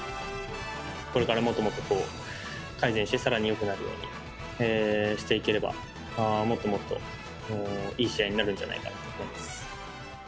これからもっともっと改善してさらによくなるようにしていければ、もっともっといい試合になるんじゃないかなと思います。